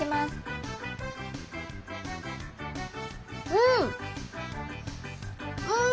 うん！